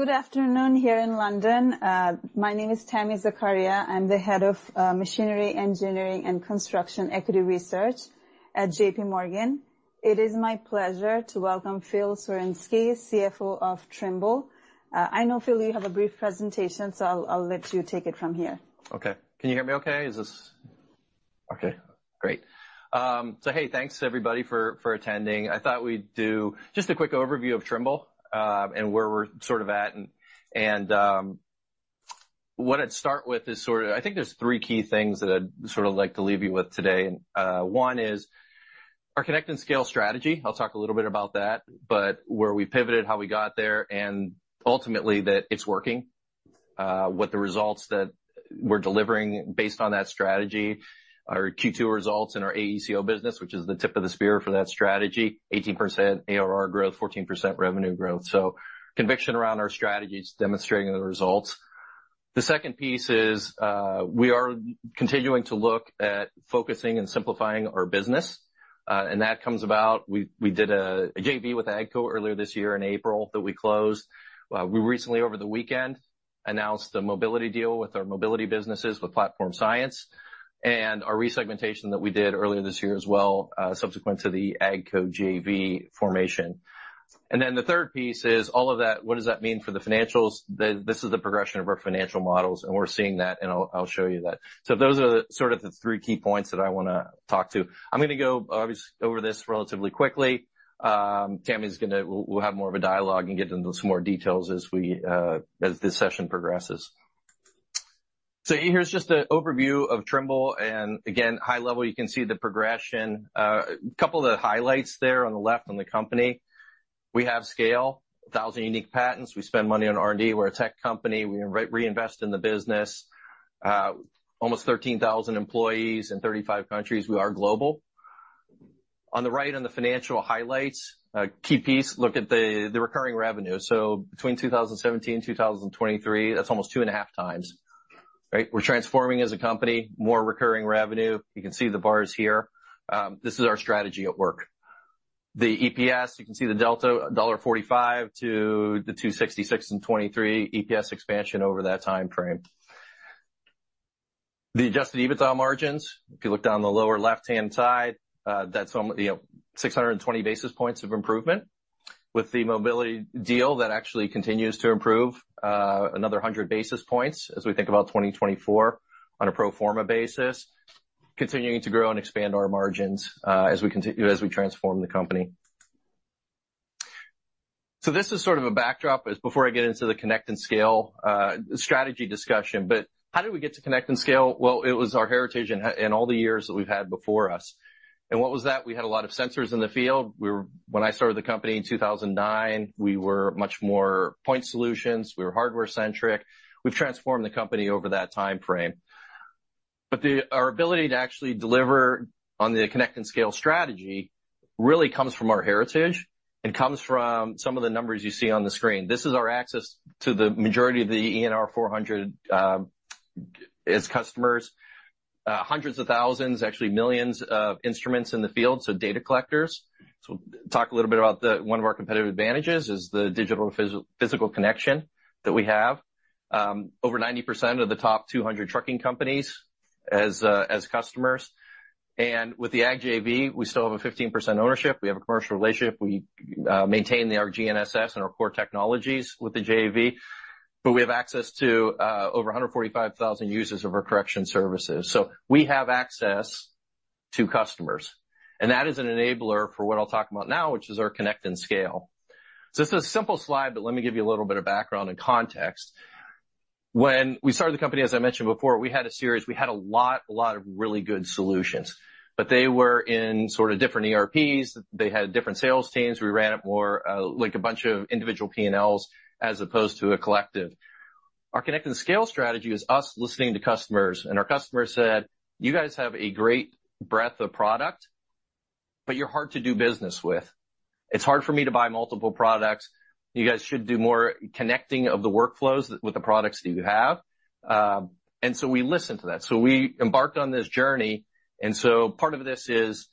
Good afternoon here in London. My name is Tami Zakaria. I'm the head of Machinery, Engineering, and Construction Equity Research at JPMorgan. It is my pleasure to welcome Phil Sawarynski, CFO of Trimble. I know, Phil, you have a brief presentation, so I'll let you take it from here. Okay. Can you hear me okay? Okay, great. Hey, thanks, everybody, for attending. I thought we'd do just a quick overview of Trimble and where we're sort of at, and what I'd start with is sort of, I think there's three key things that I'd sort of like to leave you with today. One is our Connect and Scale strategy. I'll talk a little bit about that, but where we pivoted, how we got there, and ultimately, that it's working with the results that we're delivering based on that strategy. Our Q2 results in our AECO business, which is the tip of the spear for that strategy, 18% ARR growth, 14% revenue growth, so conviction around our strategy is demonstrating the results. The second piece is, we are continuing to look at focusing and simplifying our business, and that comes about... We, we did a JV with AGCO earlier this year in April that we closed. We recently, over the weekend, announced a mobility deal with our Mobility businesses, with Platform Science, and our resegmentation that we did earlier this year as well, subsequent to the AGCO JV formation. And then the third piece is all of that, what does that mean for the financials? This is the progression of our financial models, and we're seeing that, and I'll, I'll show you that. So those are the, sort of the three key points that I wanna talk to. I'm gonna go over this relatively quickly. Tami is gonna, we'll have more of a dialogue and get into those more details as we, as this session progresses. So here's just an overview of Trimble, and again, high level, you can see the progression. Couple of the highlights there on the left on the company. We have scale, 1,000 unique patents. We spend money on R&D. We're a tech company. We reinvest in the business. Almost 13,000 employees in 35 countries. We are global. On the right, on the financial highlights, a key piece, look at the recurring revenue. So between 2017 and 2023, that's almost 2.5x, right? We're transforming as a company, more recurring revenue. You can see the bars here. This is our strategy at work. The EPS, you can see the delta, $1.45 to the $2.66 in 2023, EPS expansion over that time frame. The adjusted EBITDA margins, if you look down the lower left-hand side, that's on, you know, 620 basis points of improvement. With the mobility deal, that actually continues to improve another 100 basis points as we think about 2024 on a pro forma basis, continuing to grow and expand our margins as we continue, as we transform the company. So this is sort of a backdrop as before I get into the Connect and Scale strategy discussion. But how did we get to Connect and Scale? Well, it was our heritage and, and all the years that we've had before us. And what was that? We had a lot of sensors in the field. When I started the company in 2009, we were much more point solutions. We were hardware-centric. We've transformed the company over that time frame. But our ability to actually deliver on the Connect and Scale strategy really comes from our heritage and comes from some of the numbers you see on the screen. This is our access to the majority of the ENR 400 as customers. Hundreds of thousands, actually millions of instruments in the field, so data collectors. One of our competitive advantages is the digital physical connection that we have. Over 90% of the top 200 trucking companies as customers. And with the AG JV, we still have a 15% ownership. We have a commercial relationship. We maintain the GNSS and our core technologies with the JV, but we have access to over 145,000 users of our correction services. So we have access to customers, and that is an enabler for what I'll talk about now, which is our Connect and Scale. So this is a simple slide, but let me give you a little bit of background and context. When we started the company, as I mentioned before, we had a series. We had a lot, a lot of really good solutions, but they were in sort of different ERPs. They had different sales teams. We ran it more like a bunch of individual P&Ls, as opposed to a collective. Our Connect and Scale strategy is us listening to customers, and our customers said: You guys have a great breadth of product, but you're hard to do business with. It's hard for me to buy multiple products. You guys should do more connecting of the workflows with the products that you have. And so we listened to that. So we embarked on this journey, and so part of this is,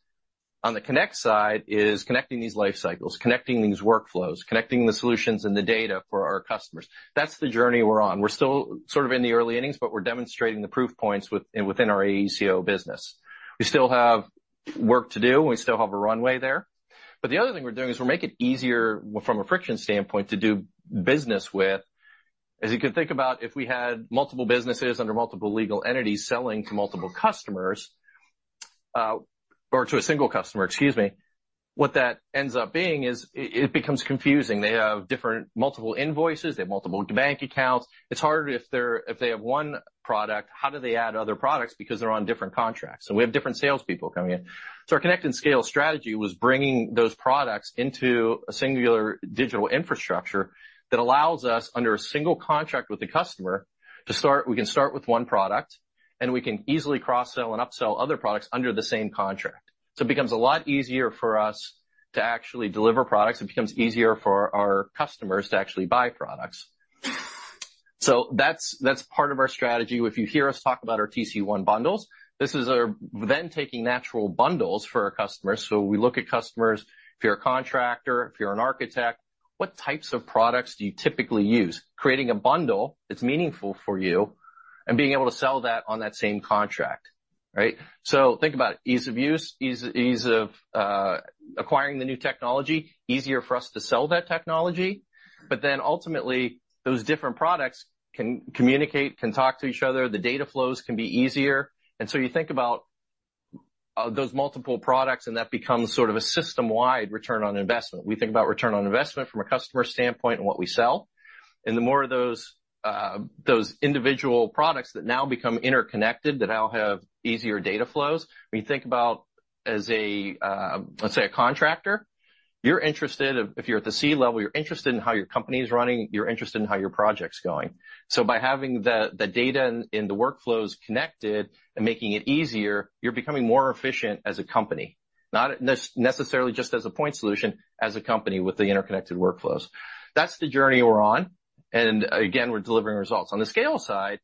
on the connect side, is connecting these life cycles, connecting these workflows, connecting the solutions and the data for our customers. That's the journey we're on. We're still sort of in the early innings, but we're demonstrating the proof points within our AECO business. We still have work to do, and we still have a runway there. But the other thing we're doing is we're making it easier, from a friction standpoint, to do business with... As you can think about, if we had multiple businesses under multiple legal entities selling to multiple customers, or to a single customer, excuse me, what that ends up being is it becomes confusing. They have different, multiple invoices. They have multiple bank accounts. It's harder if they're if they have one product, how do they add other products? Because they're on different contracts, and we have different salespeople coming in. So our Connect and Scale strategy was bringing those products into a singular digital infrastructure that allows us, under a single contract with the customer, we can start with one product, and we can easily cross-sell and upsell other products under the same contract. So it becomes a lot easier for us to actually deliver products. It becomes easier for our customers to actually buy products. So that's, that's part of our strategy. If you hear us talk about our TC1 bundles, this is our ven take-in natural bundles for our customers. So we look at customers, if you're a contractor, if you're an architect, what types of products do you typically use? Creating a bundle that's meaningful for you and being able to sell that on that same contract, right? So think about ease of use, ease of acquiring the new technology, easier for us to sell that technology. But then ultimately, those different products can communicate, can talk to each other, the data flows can be easier, and so you think about those multiple products, and that becomes sort of a system-wide return on investment. We think about return on investment from a customer standpoint and what we sell, and the more of those individual products that now become interconnected, that now have easier data flows. When you think about, as a, let's say, a contractor, you're interested in—if you're at the C level, you're interested in how your company is running, you're interested in how your project's going. So by having the data and the workflows connected and making it easier, you're becoming more efficient as a company, not necessarily just as a point solution, as a company with the interconnected workflows. That's the journey we're on, and again, we're delivering results. On the scale side,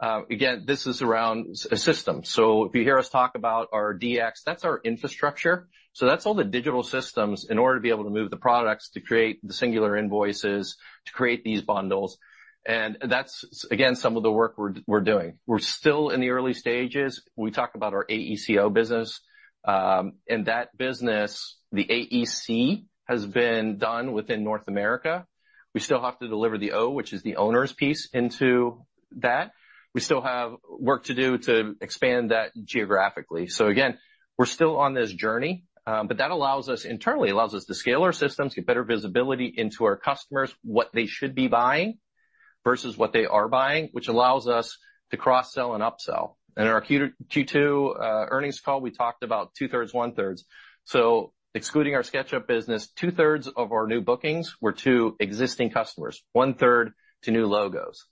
again, this is around a system. So if you hear us talk about our DX, that's our infrastructure. So that's all the digital systems in order to be able to move the products, to create the singular invoices, to create these bundles. And that's, again, some of the work we're doing. We're still in the early stages. We talk about our AECO business, and that business, the AEC, has been done within North America. We still have to deliver the O, which is the owner's piece, into that. We still have work to do to expand that geographically. So again, we're still on this journey, but that allows us internally, allows us to scale our systems, get better visibility into our customers, what they should be buying versus what they are buying, which allows us to cross-sell and upsell. In our Q2 earnings call, we talked about 2/3, 1/3. So excluding our SketchUp business, 2/3 of our new bookings were to existing customers, 1/3 to new logos.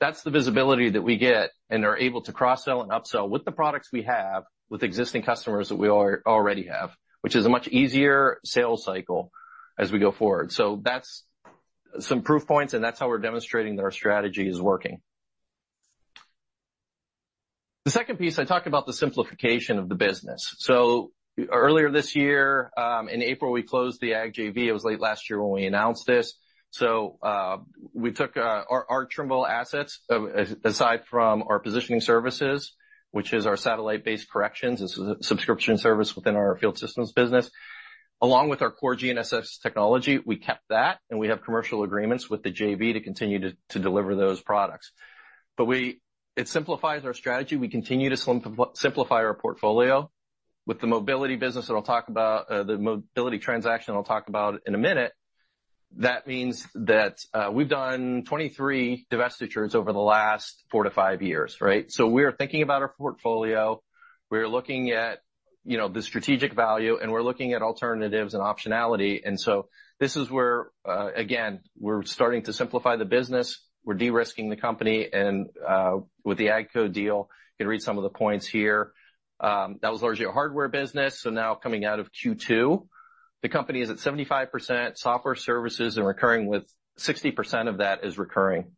That's the visibility that we get, and they're able to cross-sell and upsell with the products we have, with existing customers that we already have, which is a much easier sales cycle as we go forward. So that's some proof points, and that's how we're demonstrating that our strategy is working. The second piece, I talked about the simplification of the business. Earlier this year, in April, we closed the AG JV. It was late last year when we announced this. We took our Trimble assets, aside from our positioning services, which is our satellite-based corrections. This is a subscription service within our Field Systems business. Along with our core GNSS technology, we kept that, and we have commercial agreements with the JV to continue to deliver those products. It simplifies our strategy. We continue to simplify our portfolio. With the Mobility business, that I'll talk about, the mobility transaction, I'll talk about in a minute. That means that, we've done 23 divestitures over the last 4-5 years, right? So we're thinking about our portfolio, we're looking at, you know, the strategic value, and we're looking at alternatives and optionality, and so this is where, again, we're starting to simplify the business, we're de-risking the company, and, with the AGCO deal, you can read some of the points here. That was largely a hardware business, so now coming out of Q2, the company is at 75% software services and recurring with 60% of that is recurring.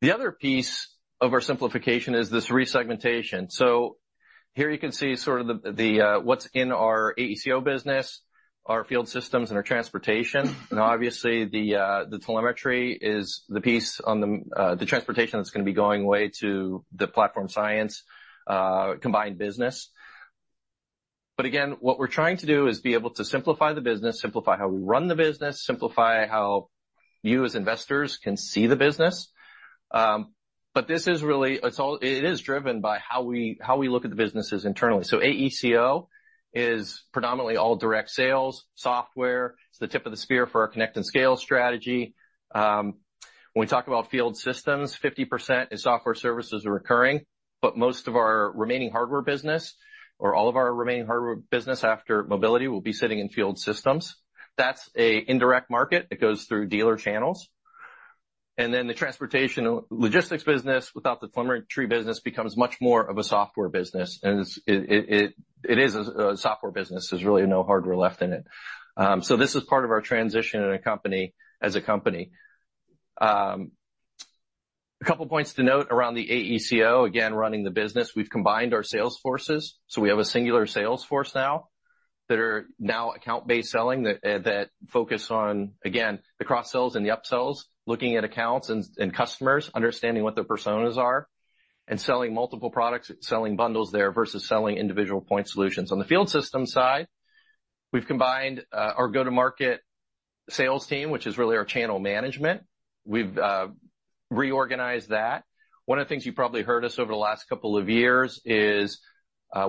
The other piece of our simplification is this re-segmentation. So here you can see sort of the what's in our AECO business, our Field Systems, and our Transportation. And obviously, the telemetry is the piece on the transportation that's gonna be going away to the Platform Science combined business. But again, what we're trying to do is be able to simplify the business, simplify how we run the business, simplify how you, as investors, can see the business. But this is really. It is driven by how we look at the businesses internally. So AECO is predominantly all direct sales, software. It's the tip of the spear for our Connect and Scale strategy. When we talk about Field Systems, 50% is software, services, and recurring, but most of our remaining hardware business, or all of our remaining hardware business after Mobility, will be sitting in Field Systems. That's an indirect market. It goes through dealer channels. And then the Transportation Logistics business, without the telematics business, becomes much more of a software business. And it's a software business. There's really no hardware left in it. So this is part of our transition in a company, as a company. A couple points to note around the AECO, again, running the business. We've combined our sales forces, so we have a singular sales force now, that are now account-based selling, that focus on, again, the cross-sells and the upsells, looking at accounts and customers, understanding what their personas are, and selling multiple products, selling bundles there versus selling individual point solutions. On the Field Systems side, we've combined our go-to-market sales team, which is really our channel management. We've reorganized that. One of the things you probably heard us over the last couple of years is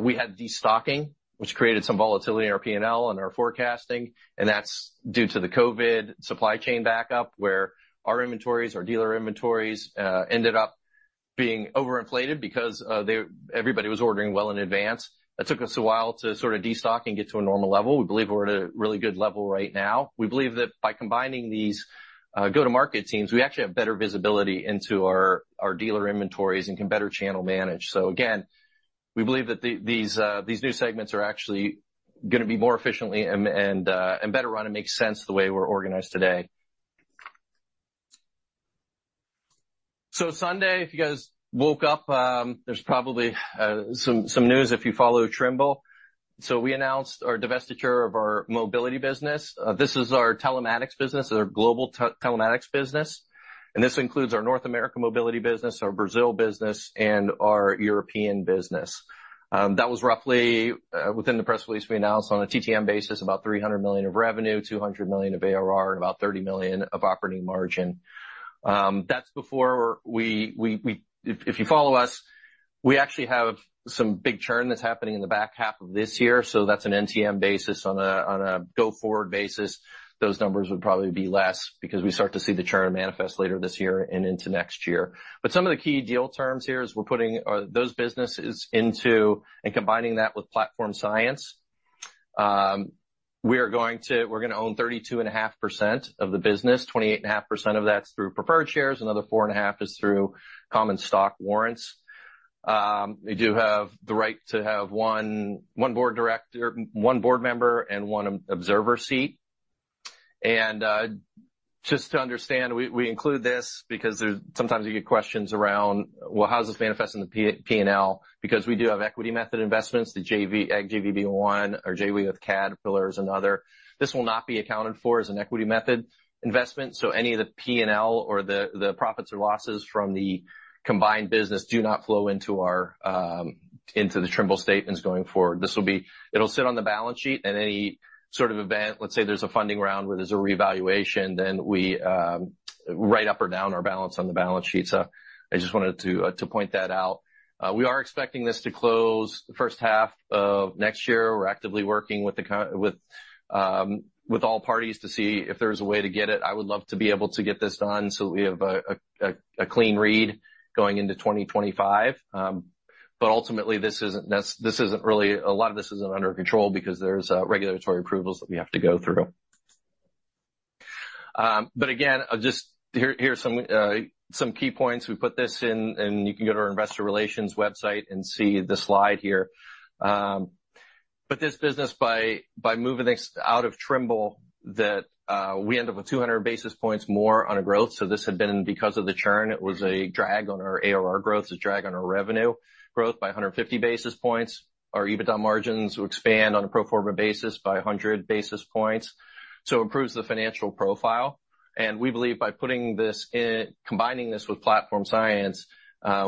we had destocking, which created some volatility in our P&L and our forecasting, and that's due to the COVID supply chain backup, where our inventories, our dealer inventories, ended up being overinflated because everybody was ordering well in advance. That took us a while to sort of destock and get to a normal level. We believe we're at a really good level right now. We believe that by combining these go-to-market teams, we actually have better visibility into our dealer inventories and can better channel manage. So again, we believe that these new segments are actually gonna be more efficiently and better run. It makes sense the way we're organized today. Sunday, if you guys woke up, there's probably some news if you follow Trimble. We announced our divestiture of our Mobility business. This is our telematics business, our global telematics business, and this includes our North American Mobility business, our Brazil business, and our European business. That was roughly within the press release we announced on a TTM basis, about $300 million of revenue, $200 million of ARR, and about $30 million of operating margin. That's before, if you follow us, we actually have some big churn that's happening in the back half of this year, so that's an NTM basis. On a go-forward basis, those numbers would probably be less, because we start to see the churn manifest later this year and into next year. But some of the key deal terms here is we're putting those businesses into and combining that with Platform Science. We're gonna own 32.5% of the business. 28.5% of that's through preferred shares, another 4.5% is through common stock warrants. We do have the right to have one Board Director, one Board member, and one Observer seat. And just to understand, we include this because there's sometimes you get questions around, "Well, how does this manifest in the P&L?" Because we do have equity method investments, the JV, AG JV, one, our JV with Caterpillar is another. This will not be accounted for as an equity method investment, so any of the P&L or the profits or losses from the combined business do not flow into our into the Trimble statements going forward. This will be. It'll sit on the balance sheet, and any sort of event, let's say there's a funding round where there's a revaluation, then we write up or down our balance on the balance sheet. So I just wanted to point that out. We are expecting this to close the first half of next year. We're actively working with all parties to see if there's a way to get it. I would love to be able to get this done so that we have a clean read going into 2025. But ultimately, this isn't really a lot of this isn't under our control because there's regulatory approvals that we have to go through. But again, here are some key points. We put this in, and you can go to our Investor Relations website and see the slide here. But this business, by moving this out of Trimble, we end up with 200 basis points more on a growth. So this had been because of the churn. It was a drag on our ARR growth, a drag on our revenue growth by 150 basis points. Our EBITDA margins will expand on a pro forma basis by 100 basis points, so it improves the financial profile. And we believe by putting this in, combining this with Platform Science,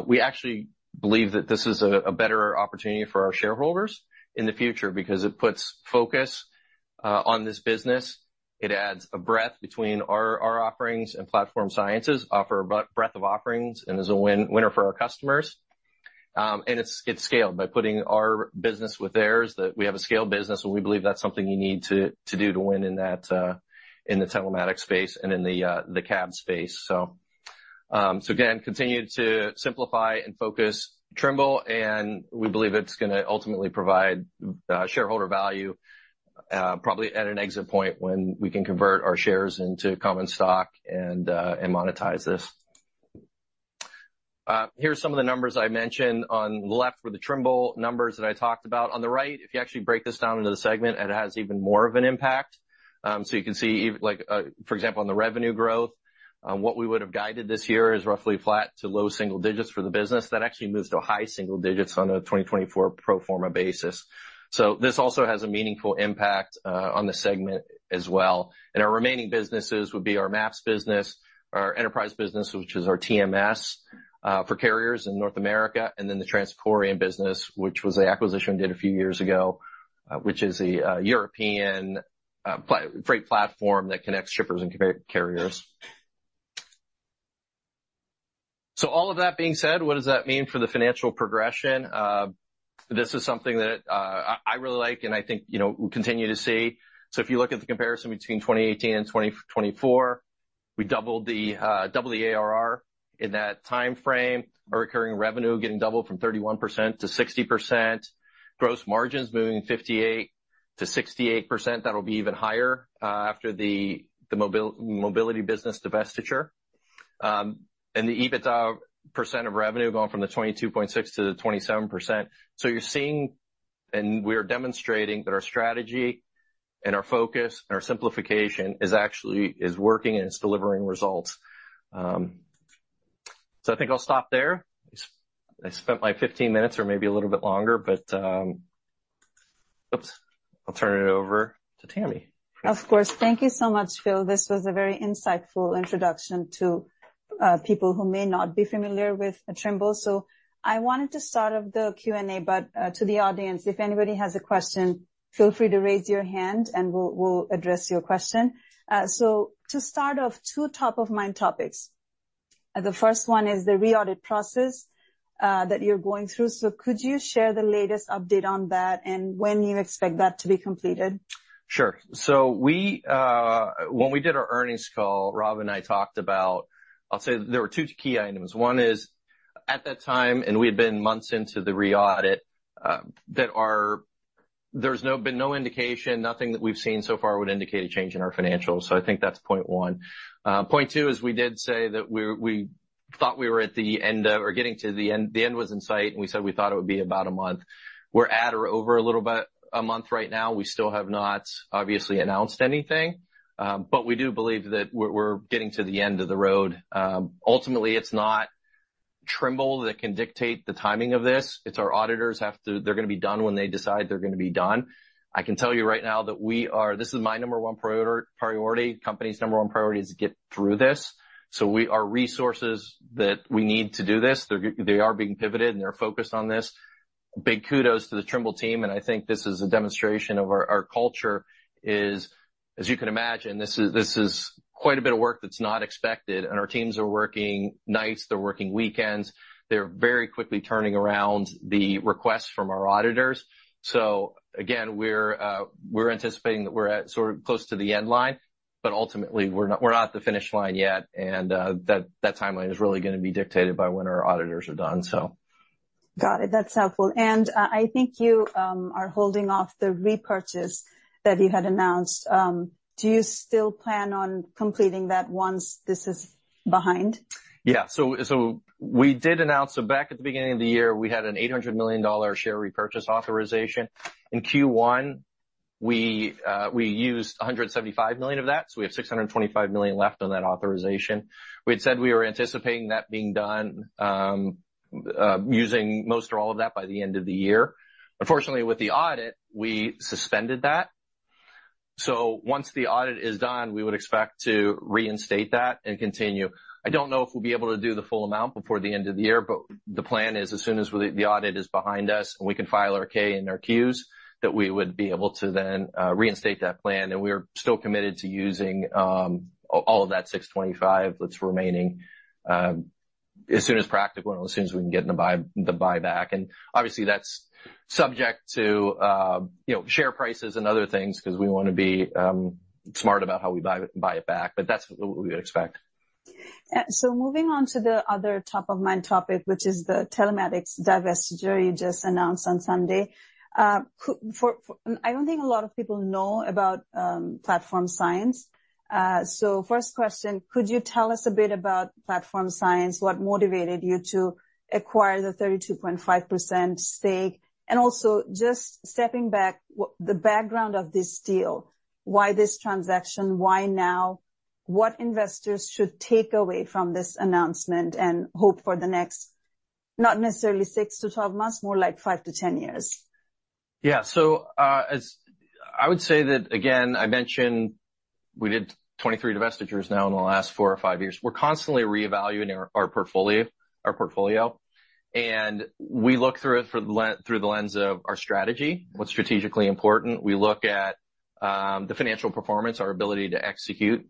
we actually believe that this is a better opportunity for our shareholders in the future, because it puts focus on this business. It adds a breadth between our offerings and Platform Science's offerings and is a winner for our customers, and it's scaled. By putting our business with theirs, that we have a scaled business, and we believe that's something you need to do to win in the telematics space and in the cab space, so again continue to simplify and focus Trimble, and we believe it's gonna ultimately provide shareholder value, probably at an exit point when we can convert our shares into common stock and monetize this. Here are some of the numbers I mentioned. On the left were the Trimble numbers that I talked about. On the right, if you actually break this down into the segment, it has even more of an impact. So you can see, like, for example, on the revenue growth, what we would have guided this year is roughly flat to low single-digits for the business. That actually moves to high single-digits on a 2024 pro forma basis. So this also has a meaningful impact on the segment as well. And our remaining businesses would be our Maps business, our Enterprise business, which is our TMS, for carriers in North America, and then the Transporeon business, which was an acquisition we did a few years ago, which is a European freight platform that connects shippers and carriers. So all of that being said, what does that mean for the financial progression? This is something that I really like and I think, you know, we'll continue to see. So if you look at the comparison between 2018 and 2024, we doubled the ARR in that timeframe. Our recurring revenue getting doubled from 31% to 60%. Gross margins moving 58% to 68%. That'll be even higher after the Mobility business divestiture. And the EBITDA percent of revenue going from the 22.6% to 27%. So you're seeing, and we are demonstrating, that our strategy and our focus and our simplification is actually working and is delivering results. So I think I'll stop there. I spent my 15 minutes or maybe a little bit longer, but Oops, I'll turn it over to Tami. Of course. Thank you so much, Phil. This was a very insightful introduction to people who may not be familiar with Trimble. So I wanted to start off the Q&A, but to the audience, if anybody has a question, feel free to raise your hand, and we'll address your question. So to start off, two top-of-mind topics. The first one is the re-audit process that you're going through. So could you share the latest update on that and when you expect that to be completed? Sure. So we, when we did our earnings call, Rob and I talked about... I'll say there were two key items. One is, at that time, and we had been months into the re-audit, that there's been no indication, nothing that we've seen so far would indicate a change in our financials. So I think that's point one. Point two is we did say that we thought we were at the end of, or getting to the end. The end was in sight, and we said we thought it would be about a month. We're at or over a little bit over a month right now. We still have not, obviously, announced anything, but we do believe that we're getting to the end of the road. Ultimately, it's not Trimble that can dictate the timing of this. Our auditors have to. They're gonna be done when they decide they're gonna be done. I can tell you right now that this is my number one priority, company's number one priority, is to get through this. So our resources that we need to do this, they are being pivoted, and they're focused on this. Big kudos to the Trimble team, and I think this is a demonstration of our culture, as you can imagine. This is quite a bit of work that's not expected, and our teams are working nights, they're working weekends. They're very quickly turning around the requests from our auditors. So again, we're anticipating that we're at sort of close to the end line, but ultimately, we're not at the finish line yet, and that timeline is really gonna be dictated by when our auditors are done, so. Got it. That's helpful. And, I think you are holding off the repurchase that you had announced. Do you still plan on completing that once this is behind? Yeah, so we did announce, so back at the beginning of the year, we had an $800 million share repurchase authorization. In Q1, we used $175 million of that, so we have $625 million left on that authorization. We had said we were anticipating that being done, using most or all of that by the end of the year. Unfortunately, with the audit, we suspended that. So once the audit is done, we would expect to reinstate that and continue. I don't know if we'll be able to do the full amount before the end of the year, but the plan is as soon as the audit is behind us, and we can file our K and our Qs, that we would be able to then reinstate that plan. We are still committed to using all of that $625 million that's remaining, as soon as practical, and as soon as we can get in the buyback. Obviously, that's subject to you know, share prices and other things, 'cause we wanna be smart about how we buy it back, but that's what we would expect. So moving on to the other top-of-mind topic, which is the telematics divestiture you just announced on Sunday. I don't think a lot of people know about Platform Science. So first question, could you tell us a bit about Platform Science? What motivated you to acquire the 32.5% stake? And also, just stepping back, what the background of this deal, why this transaction, why now? What investors should take away from this announcement and hope for the next, not necessarily 6-12 months, more like 5-10 years? Yeah. So, as I would say that, again, I mentioned we did 23 divestitures now in the last four or five years. We're constantly re-evaluating our portfolio, and we look through it through the lens of our strategy, what's strategically important. We look at the financial performance, our ability to execute.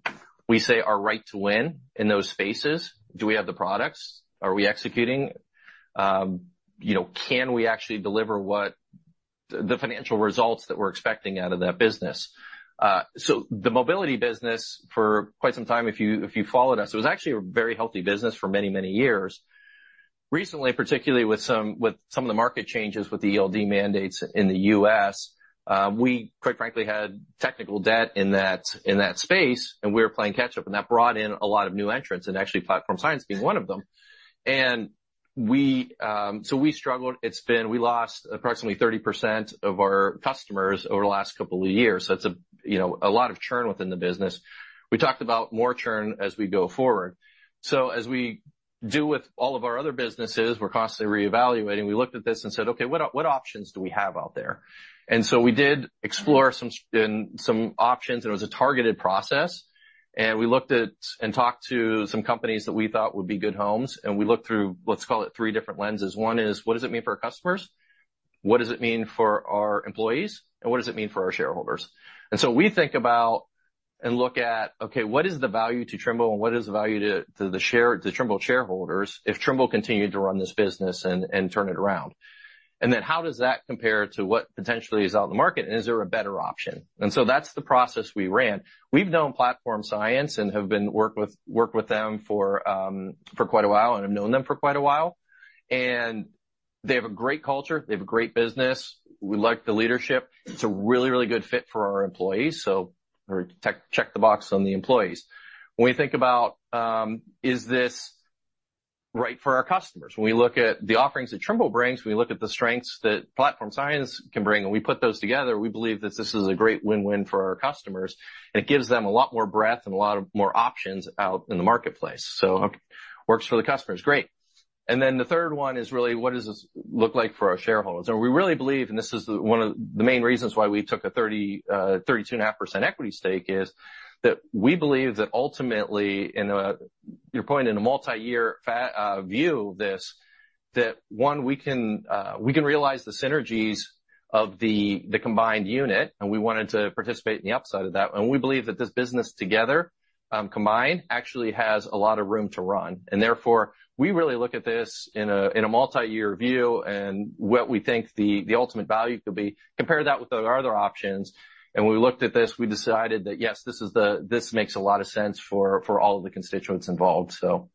We say our right to win in those spaces. Do we have the products? Are we executing? You know, can we actually deliver what, the financial results that we're expecting out of that business? So the Mobility business, for quite some time, if you followed us, it was actually a very healthy business for many years. Recently, particularly with some of the market changes with the ELD mandates in the U.S., we quite frankly had technical debt in that space, and we were playing catch-up, and that brought in a lot of new entrants, and actually, Platform Science being one of them, and we so we struggled. It's been. We lost approximately 30% of our customers over the last couple of years, so it's a, you know, a lot of churn within the business. We talked about more churn as we go forward, so as we do with all of our other businesses, we're constantly re-evaluating. We looked at this and said, "Okay, what, what options do we have out there?" And so we did explore some options, and it was a targeted process, and we looked at and talked to some companies that we thought would be good homes, and we looked through, let's call it, three different lenses. One is, what does it mean for our customers? What does it mean for our employees, and what does it mean for our shareholders? And so we think about and look at, okay, what is the value to Trimble, and what is the value to Trimble shareholders if Trimble continued to run this business and turn it around? And then how does that compare to what potentially is out in the market, and is there a better option? And so that's the process we ran. We've known Platform Science and have worked with them for quite a while and have known them for quite a while, and they have a great culture. They have a great business. We like the leadership. It's a really, really good fit for our employees, so check, check the box on the employees. When we think about is this right for our customers? When we look at the offerings that Trimble brings, we look at the strengths that Platform Science can bring, and we put those together, we believe that this is a great win-win for our customers. And it gives them a lot more breadth and a lot of more options out in the marketplace, so works for the customers, great. And then the third one is really, what does this look like for our shareholders? And we really believe, and this is the, one of the main reasons why we took a 32.5% equity stake, is that we believe that ultimately, in a, your point, in a multiyear view of this, that, one, we can realize the synergies of the combined unit, and we wanted to participate in the upside of that. And we believe that this business together, combined, actually has a lot of room to run. And therefore, we really look at this in a, in a multiyear view and what we think the ultimate value could be, compare that with the other options, and when we looked at this, we decided that, yes, this makes a lot of sense for all of the constituents involved, so.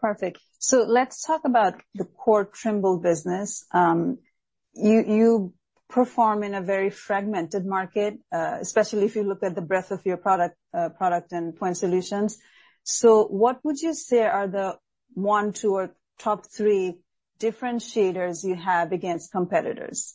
Perfect. So let's talk about the core Trimble business. You perform in a very fragmented market, especially if you look at the breadth of your product and point solutions. So what would you say are the one, two, or top three differentiators you have against competitors?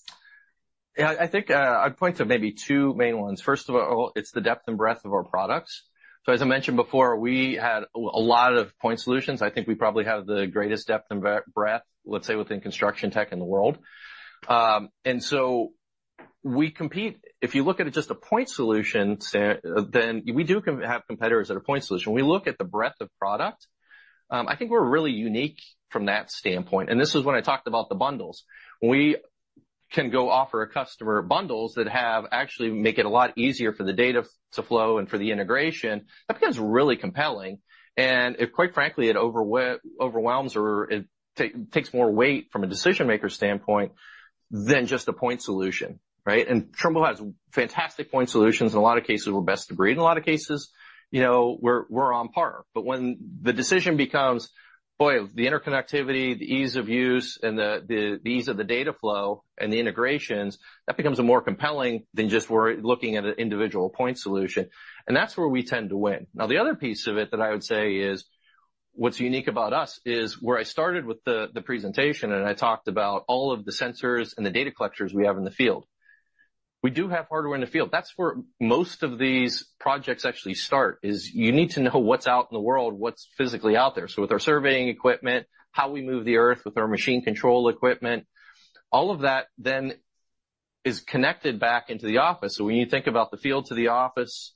Yeah, I think, I'd point to maybe two main ones. First of all, it's the depth and breadth of our products. So as I mentioned before, we had a lot of point solutions. I think we probably have the greatest depth and breadth, let's say, within construction tech in the world. And so we compete. If you look at it just a point solution, then we do have competitors that are point solution. We look at the breadth of product. I think we're really unique from that standpoint, and this is when I talked about the bundles. We can go offer a customer bundles that have actually make it a lot easier for the data to flow and for the integration, that becomes really compelling. And it, quite frankly, it overwhelms or it takes more weight from a decision-maker standpoint than just a point solution, right? And Trimble has fantastic point solutions. In a lot of cases, we're best of breed. In a lot of cases, you know, we're on par. But when the decision becomes, boy, the interconnectivity, the ease of use, and the ease of the data flow and the integrations, that becomes a more compelling than just we're looking at an individual point solution, and that's where we tend to win. Now, the other piece of it that I would say is, what's unique about us is where I started with the presentation, and I talked about all of the sensors and the data collectors we have in the field. We do have hardware in the field. That's where most of these projects actually start, is you need to know what's out in the world, what's physically out there. So with our surveying equipment, how we move the earth with our machine control equipment, all of that then is connected back into the office. So when you think about the field to the office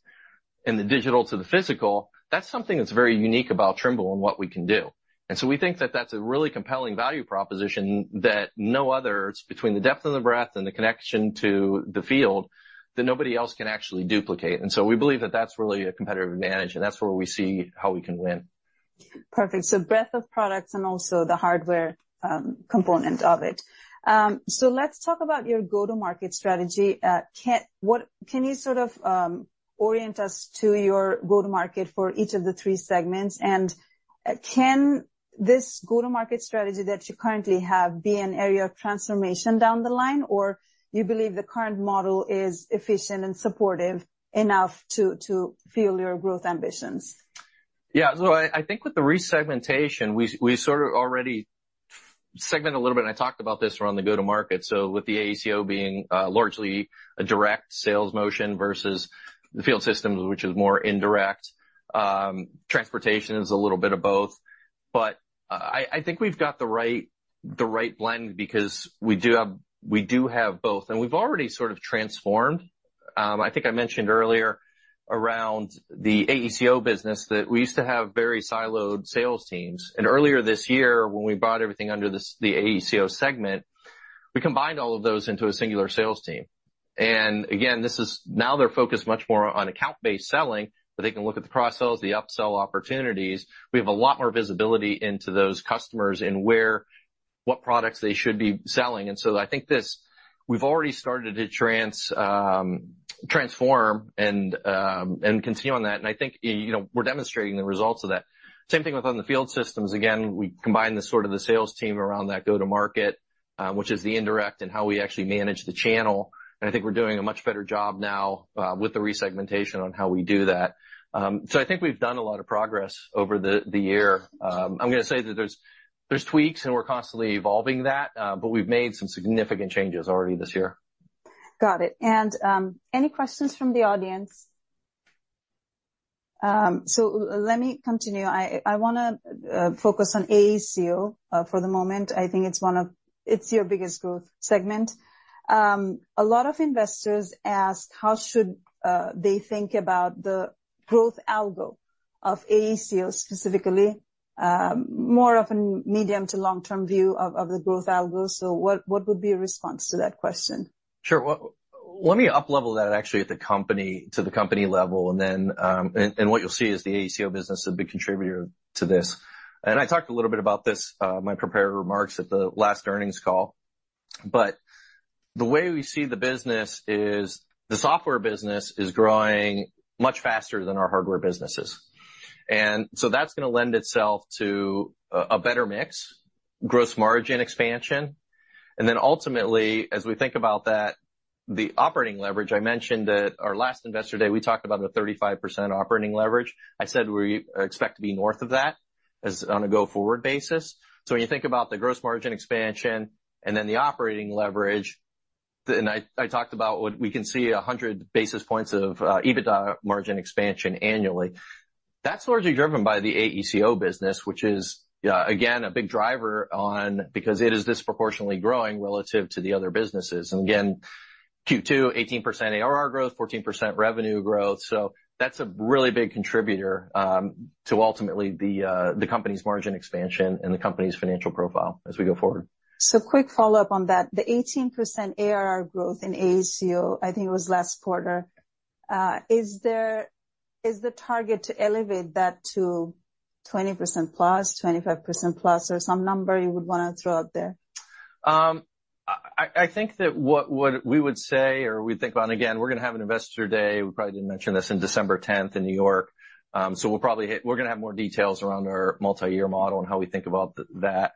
and the digital to the physical, that's something that's very unique about Trimble and what we can do. And so we think that that's a really compelling value proposition that no other, it's between the depth and the breadth and the connection to the field, that nobody else can actually duplicate. And so we believe that that's really a competitive advantage, and that's where we see how we can win. Perfect. So breadth of products and also the hardware component of it. So let's talk about your go-to-market strategy. Can you sort of orient us to your go-to-market for each of the three segments? And can this go-to-market strategy that you currently have be an area of transformation down the line, or you believe the current model is efficient and supportive enough to fuel your growth ambitions? Yeah, so I think with the resegmentation, we sort of already segment a little bit, and I talked about this around the go-to-market, so with the AECO being largely a direct sales motion versus the Field Systems, which is more indirect, Transportation is a little bit of both. But I think we've got the right blend because we do have both, and we've already sort of transformed. I think I mentioned earlier around the AECO business that we used to have very siloed sales teams, and earlier this year, when we brought everything under the AECO segment, we combined all of those into a singular sales team, and again, now they're focused much more on account-based selling, but they can look at the cross-sells, the upsell opportunities. We have a lot more visibility into those customers and where, what products they should be selling, and so I think this, we've already started to transform and continue on that, and I think, you know, we're demonstrating the results of that. Same thing with on the Field Systems. Again, we combine the sort of sales team around that go-to-market, which is the indirect and how we actually manage the channel, and I think we're doing a much better job now with the resegmentation on how we do that, so I think we've done a lot of progress over the year. I'm gonna say that there's tweaks, and we're constantly evolving that, but we've made some significant changes already this year. Got it. And, any questions from the audience? So let me continue. I wanna focus on AECO for the moment. I think it's one of... It's your biggest growth segment. A lot of investors ask, how should they think about the growth algo of AECO, specifically, more of a medium to long-term view of the growth algo. So what would be your response to that question? Sure. Well, let me uplevel that actually at the company, to the company level, and then, and what you'll see is the AECO business, a big contributor to this. And I talked a little bit about this, my prepared remarks at the last earnings call. But the way we see the business is, the software business is growing much faster than our hardware businesses. And so that's gonna lend itself to a better mix, gross margin expansion, and then ultimately, as we think about that, the operating leverage I mentioned at our last Investor Day. We talked about a 35% operating leverage. I said we expect to be north of that, as on a go-forward basis. So when you think about the gross margin expansion and then the operating leverage, then I talked about what we can see a 100 basis points of EBITDA margin expansion annually. That's largely driven by the AECO business, which is again a big driver on because it is disproportionately growing relative to the other businesses. And again, Q2, 18% ARR growth, 14% revenue growth, so that's a really big contributor to ultimately the company's margin expansion and the company's financial profile as we go forward. So quick follow-up on that. The 18% ARR growth in AECO, I think it was last quarter, is there the target to elevate that to 20%+, 25%+, or some number you would wanna throw out there? I think that what we would say or we think about, and again, we're gonna have an Investor Day, we probably didn't mention this, in December 10th, in New York. So we'll probably have more details around our multi-year model and how we think about that.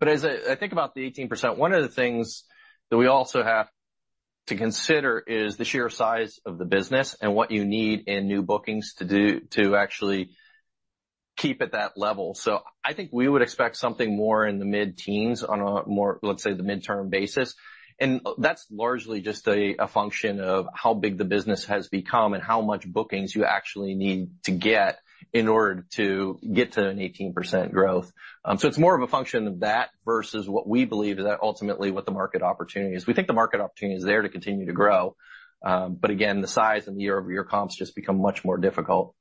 But as I think about the 18%, one of the things that we also have to consider is the sheer size of the business and what you need in new bookings to actually keep at that level. So I think we would expect something more in the mid-teens on a more, let's say, midterm basis. And that's largely just a function of how big the business has become and how much bookings you actually need to get in order to get to an 18% growth. So it's more of a function of that versus what we believe is that ultimately what the market opportunity is. We think the market opportunity is there to continue to grow, but again, the size and the year-over-year comps just become much more difficult.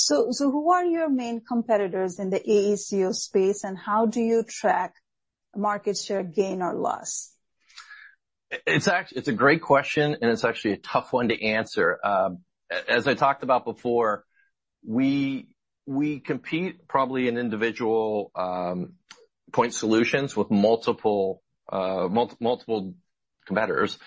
So, who are your main competitors in the AECO space, and how do you track market share gain or loss? It's a great question, and it's actually a tough one to answer. As I talked about before, we compete probably in individual point solutions with multiple competitors.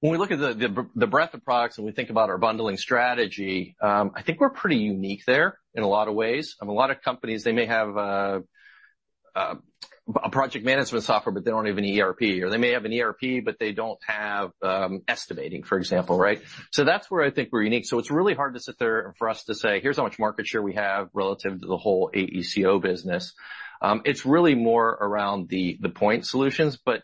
When we look at the breadth of products and we think about our bundling strategy, I think we're pretty unique there in a lot of ways. A lot of companies, they may have a project management software, but they don't have an ERP, or they may have an ERP, but they don't have estimating, for example, right? So that's where I think we're unique. So it's really hard to sit there and for us to say, "Here's how much market share we have relative to the whole AECO business. It's really more around the point solutions, but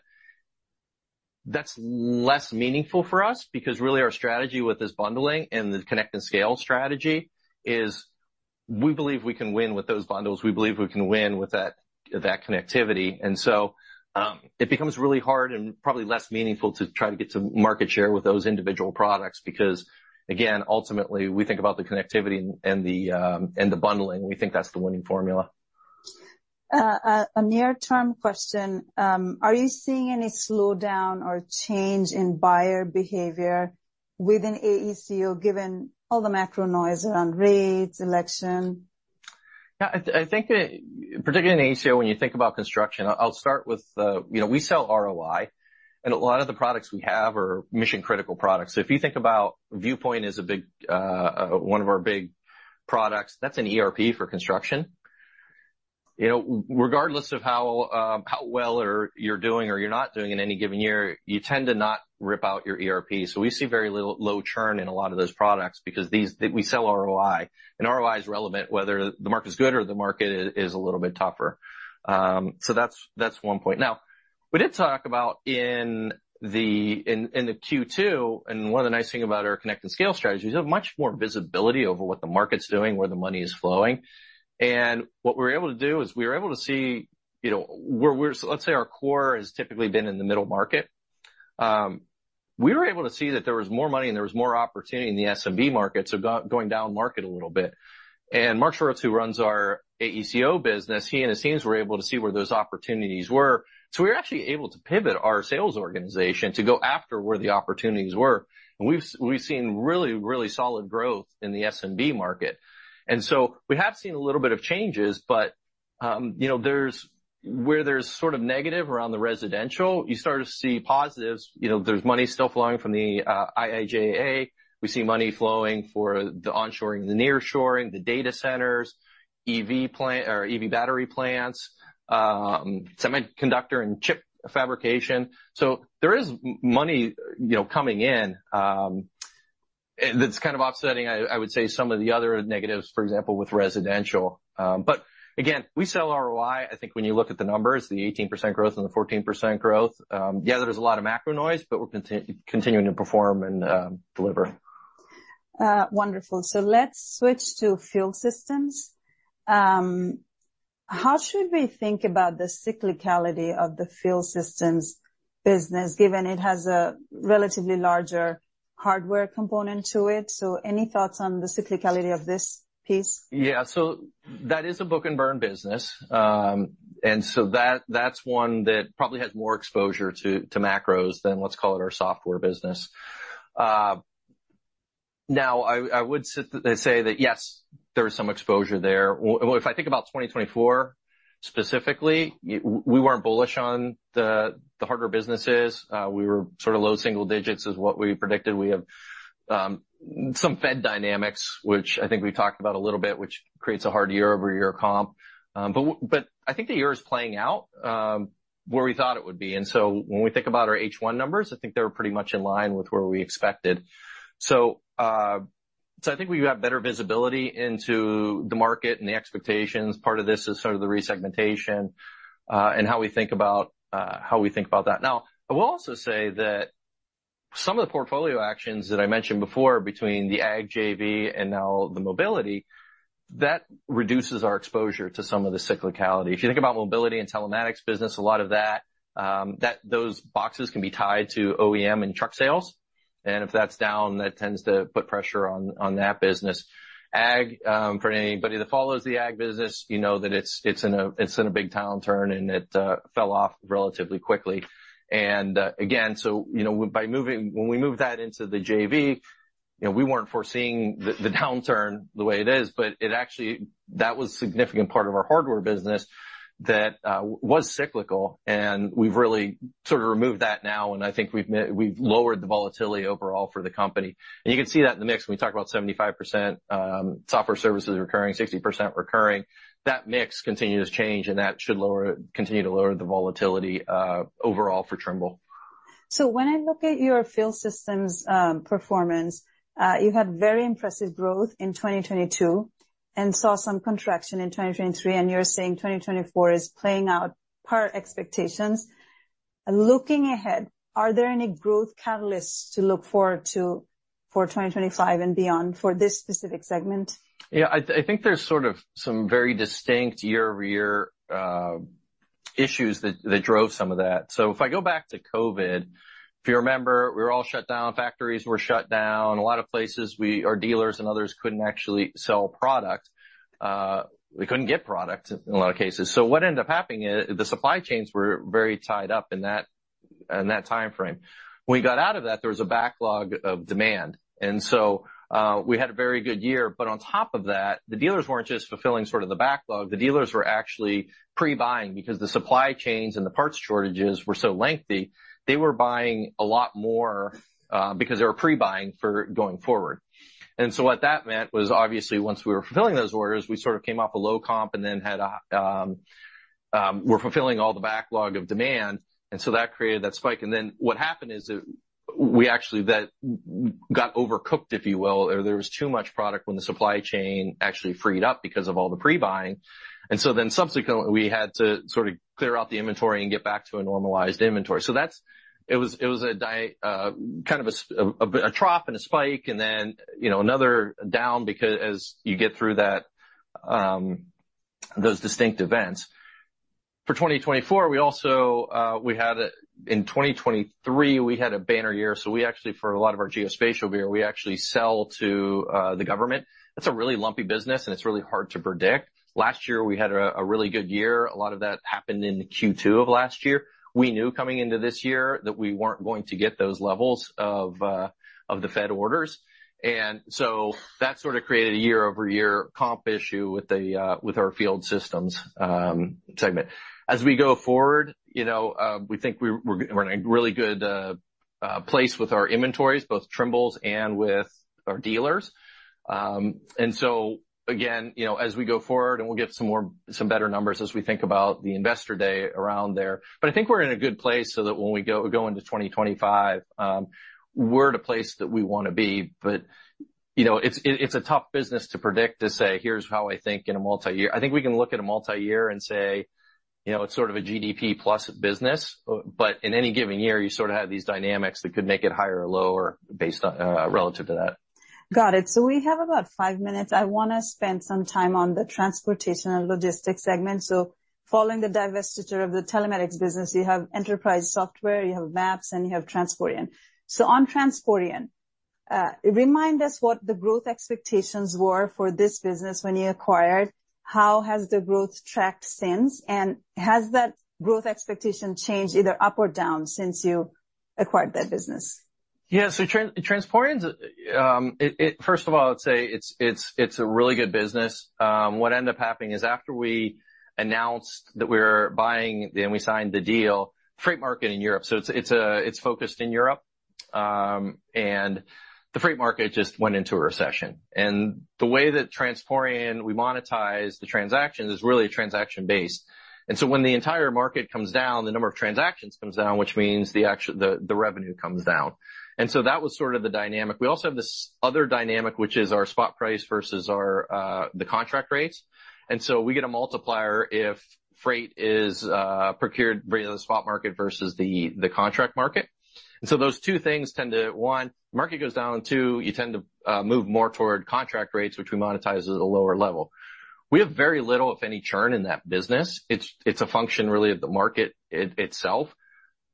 that's less meaningful for us, because really, our strategy with this bundling and the Connect and Scale strategy is we believe we can win with those bundles. We believe we can win with that connectivity. And so, it becomes really hard and probably less meaningful to try to get to market share with those individual products, because, again, ultimately, we think about the connectivity and the bundling. We think that's the winning formula. A near-term question: Are you seeing any slowdown or change in buyer behavior within AECO, given all the macro noise around rates, election? Yeah, I think that, particularly in AECO, when you think about construction, I'll start with. You know, we sell ROI, and a lot of the products we have are mission-critical products. So if you think about Viewpoint is a big one of our big products, that's an ERP for construction. You know, regardless of how well or you're doing or you're not doing in any given year, you tend to not rip out your ERP. So we see very little low churn in a lot of those products because we sell ROI, and ROI is relevant, whether the market is good or the market is a little bit tougher. So that's one point. Now, we did talk about in the Q2, and one of the nice things about our Connect and Scale strategy is we have much more visibility over what the market's doing, where the money is flowing. And what we were able to do is we were able to see, you know, where we're, so let's say our core has typically been in the middle market, we were able to see that there was more money and there was more opportunity in the SMB market, so going downmarket a little bit, and Mark Schwartz, who runs our AECO business, he and his teams were able to see where those opportunities were, so we were actually able to pivot our sales organization to go after where the opportunities were, and we've seen really, really solid growth in the SMB market. And so we have seen a little bit of changes, but you know, there's where there's sort of negative around the residential, you start to see positives. You know, there's money still flowing from the IIJA. We see money flowing for the onshoring, the nearshoring, the data centers, EV plant, or EV battery plants, semiconductor and chip fabrication. So there is money, you know, coming in, and it's kind of offsetting. I would say some of the other negatives, for example, with residential. But again, we sell ROI. I think when you look at the numbers, the 18% growth and the 14% growth, yeah, there's a lot of macro noise, but we're continuing to perform and deliver. Wonderful. So let's switch to Field Systems. How should we think about the cyclicality of the Field Systems business, given it has a relatively larger hardware component to it? So any thoughts on the cyclicality of this piece? Yeah. So that is a book and burn business. And so that, that's one that probably has more exposure to macros than, let's call it, our software business. Now, I would say that, yes, there is some exposure there. Well, if I think about 2024, specifically, we weren't bullish on the harder businesses. We were sort of low single-digits is what we predicted. We have some Fed dynamics, which I think we talked about a little bit, which creates a hard year-over-year comp. But I think the year is playing out where we thought it would be. And so when we think about our H1 numbers, I think they were pretty much in line with where we expected. So I think we have better visibility into the market and the expectations. Part of this is sort of the resegmentation, and how we think about, how we think about that. Now, I will also say that some of the portfolio actions that I mentioned before, between the AG JV and now the Mobility, that reduces our exposure to some of the cyclicality. If you think about Mobility and telematics business, a lot of that, that, those boxes can be tied to OEM and truck sales, and if that's down, that tends to put pressure on, on that business. AG, for anybody that follows the AG business, you know that it's, it's in a big downturn, and it fell off relatively quickly. And, again, so, you know, when we moved that into the JV, you know, we weren't foreseeing the downturn the way it is, but it actually. That was a significant part of our hardware business that was cyclical, and we've really sort of removed that now, and I think we've lowered the volatility overall for the company. And you can see that in the mix. When we talk about 75% software services recurring, 60% recurring, that mix continues to change, and that should lower, continue to lower the volatility overall for Trimble. So when I look at your Field Systems performance, you had very impressive growth in 2022, and saw some contraction in 2023, and you're saying 2024 is playing out per expectations. Looking ahead, are there any growth catalysts to look forward to for 2025 and beyond for this specific segment? Yeah, I think there's sort of some very distinct year-over-year issues that drove some of that. So if I go back to COVID, if you remember, we were all shut down, factories were shut down. A lot of places our dealers and others couldn't actually sell product. We couldn't get product in a lot of cases. So what ended up happening is, the supply chains were very tied up in that time frame. When we got out of that, there was a backlog of demand, and so, we had a very good year. But on top of that, the dealers weren't just fulfilling sort of the backlog. The dealers were actually pre-buying because the supply chains and the parts shortages were so lengthy, they were buying a lot more, because they were pre-buying for going forward. What that meant was, obviously, once we were fulfilling those orders, we sort of came off a low comp and then we're fulfilling all the backlog of demand, and so that created that spike. Then what happened is that we actually, that got overcooked, if you will, or there was too much product when the supply chain actually freed up because of all the pre-buying. Then subsequently, we had to sort of clear out the inventory and get back to a normalized inventory. It was a kind of a trough and a spike, and then, you know, another down because as you get through that, those distinct events. For 2024, we also had a. In 2023, we had a banner year, so we actually, for a lot of our geospatial, yeah, we actually sell to the government. That's a really lumpy business, and it's really hard to predict. Last year, we had a really good year. A lot of that happened in Q2 of last year. We knew coming into this year that we weren't going to get those levels of the Fed orders, and so that sort of created a year-over-year comp issue with our Field Systems segment. As we go forward, you know, we think we're in a really good place with our inventories, both Trimble's and with our dealers, and so again, you know, as we go forward, and we'll get some more, some better numbers as we think about the Investor Day around there. But I think we're in a good place so that when we go into 2025, we're at a place that we want to be. But, you know, it's a tough business to predict, to say, "Here's how I think in a multi-year." I think we can look at a multi-year and say, you know, it's sort of a GDP plus business, but in any given year, you sort of have these dynamics that could make it higher or lower, based on, relative to that. Got it. So we have about five minutes. I wanna spend some time on the Transportation & Logistics segment. So following the divestiture of the telematics business, you have Enterprise software, you have Maps, and you have Transporeon. So on Transporeon, remind us what the growth expectations were for this business when you acquired. How has the growth tracked since? And has that growth expectation changed, either up or down, since you acquired that business? Yeah, so Transporeon, first of all, I'd say it's a really good business. What ended up happening is after we announced that we were buying and we signed the deal, freight market in Europe. So it's focused in Europe, and the freight market just went into a recession. And the way that Transporeon, we monetize the transactions, is really transaction based. And so when the entire market comes down, the number of transactions comes down, which means the revenue comes down. And so that was sort of the dynamic. We also have this other dynamic, which is our spot price versus our contract rates. And so we get a multiplier if freight is procured via the spot market versus the contract market. And so those two things tend to, one, market goes down. Two, you tend to move more toward contract rates, which we monetize at a lower level. We have very little, if any, churn in that business. It's a function, really, of the market itself.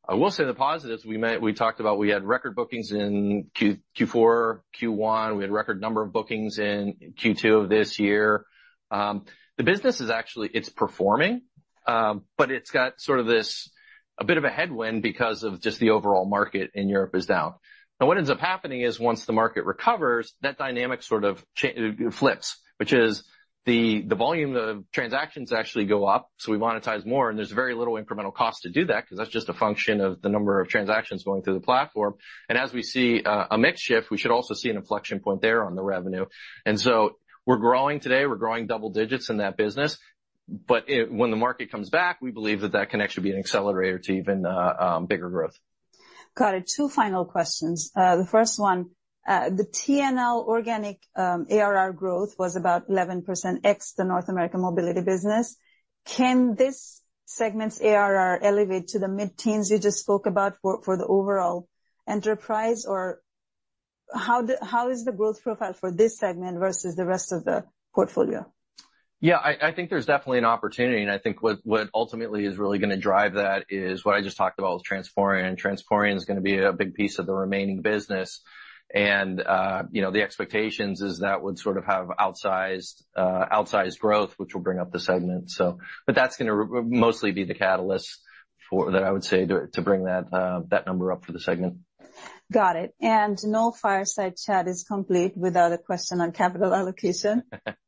I will say the positives, we talked about, we had record bookings in Q4, Q1. We had record number of bookings in Q2 of this year. The business is actually performing, but it's got sort of this, a bit of a headwind because of just the overall market in Europe is down. Now, what ends up happening is, once the market recovers, that dynamic sort of it flips, which is the volume of transactions actually go up, so we monetize more, and there's very little incremental cost to do that, 'cause that's just a function of the number of transactions going through the platform. And as we see a mix shift, we should also see an inflection point there on the revenue. And so we're growing today. We're growing double-digits in that business, but when the market comes back, we believe that that can actually be an accelerator to even bigger growth. Got it. Two final questions. The first one, the T&L organic ARR growth was about 11%, ex the North American Mobility business. Can this segment's ARR elevate to the mid-teens you just spoke about for the overall Enterprise? Or how is the growth profile for this segment versus the rest of the portfolio? Yeah, I think there's definitely an opportunity, and I think what ultimately is really gonna drive that is what I just talked about with Transporeon, and Transporeon is gonna be a big piece of the remaining business. And, you know, the expectations is that would sort of have outsized growth, which will bring up the segment. So, but that's gonna mostly be the catalyst for that I would say, to bring that number up for the segment. Got it. And no Fireside Chat is complete without a question on capital allocation.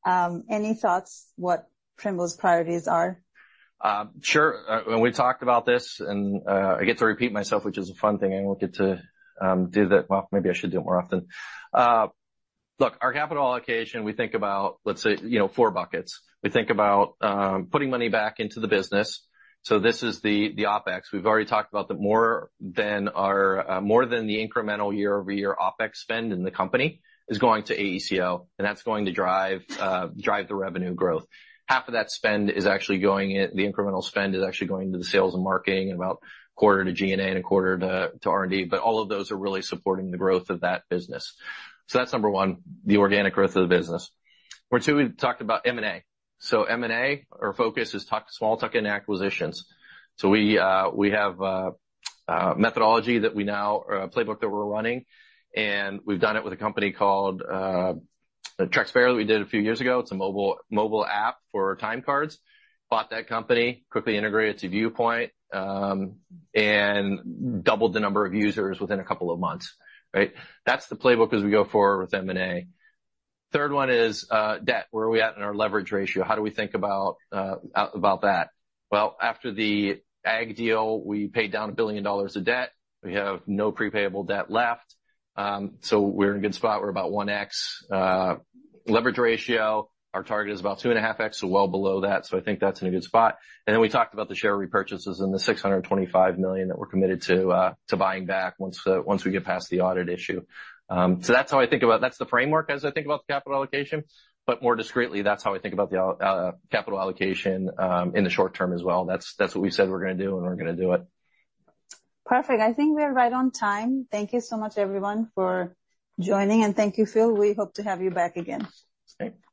Any thoughts what Trimble's priorities are? Sure, and we talked about this, and I get to repeat myself, which is a fun thing. I don't get to do that, well, maybe I should do it more often. Look, our capital allocation we think about, let's say, you know, four buckets. We think about putting money back into the business, so this is the OpEx. We've already talked about more than the incremental year-over-year OpEx spend in the company is going to AECO, and that's going to drive the revenue growth. Half of that spend, the incremental spend, is actually going to the sales and marketing, and about a quarter to G&A and a quarter to R&D, but all of those are really supporting the growth of that business. So that's number one, the organic growth of the business. Number two, we talked about M&A. So M&A, our focus is small tuck-in acquisitions. So we have a methodology that we now or a playbook that we're running, and we've done it with a company called Traqspera that we did a few years ago. It's a mobile app for timecards. Bought that company, quickly integrated to Viewpoint, and doubled the number of users within a couple of months, right? That's the playbook as we go forward with M&A. Third one is debt. Where are we at in our leverage ratio? How do we think about that? Well, after the AG deal, we paid down $1 billion of debt. We have no pre-payable debt left, so we're in a good spot. We're about 1x leverage ratio. Our target is about 2.5x, so well below that, so I think that's in a good spot, and then we talked about the share repurchases and the $625 million that we're committed to buying back once we get past the audit issue, so that's how I think about... That's the framework as I think about the capital allocation, but more discretely, that's how I think about the overall capital allocation in the short term as well. That's what we said we're gonna do, and we're gonna do it. Perfect. I think we're right on time. Thank you so much, everyone, for joining, and thank you, Phil. We hope to have you back again. Great. Thank you.